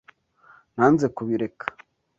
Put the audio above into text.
Nanze kubireka.